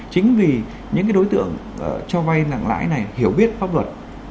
chính vì những đối tượng cho vay nặng lãi này hiểu biết pháp luật